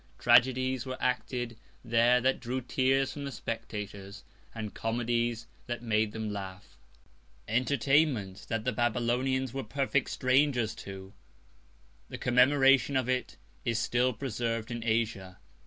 Tragedies were acted there that drew Tears from the Spectators; and Comedies that made them laugh; Entertainments, that the Babylonians were perfect Strangers to: The Commemoration of it is still preserv'd in Asia.